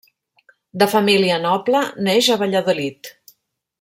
De família noble, neix a Valladolid.